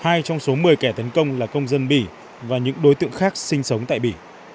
hai trong số một mươi kẻ tấn công là công dân bỉ và những đối tượng khác sinh sống tại bỉ